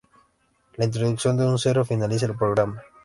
La introducción de un cero finaliza el programa.